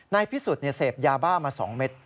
พิสุทธิ์เสพยาบ้ามา๒เม็ด